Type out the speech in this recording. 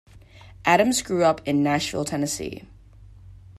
Addams grew up in Nashville, Tennessee.